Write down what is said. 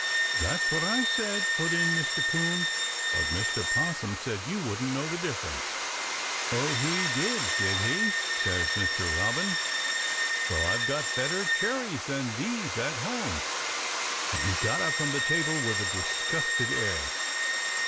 "That's what I said," put in Mr. 'Coon, "but Mr. 'Possum said you wouldn't know the difference." "Oh, he did, did he?" says Mr. Robin. "Well, I've got better cherries than these at home," and he got up from the table with a disgusted air.